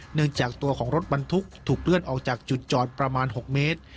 เนื่องจากตัวของรถบรรทุกถูกเลื่อนออกจากจุดจอดประมาณ๖เมตร